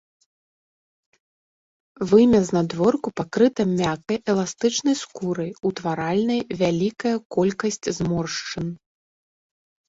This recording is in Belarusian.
Вымя знадворку пакрыта мяккай, эластычнай скурай, утваральнай вялікая колькасць зморшчын.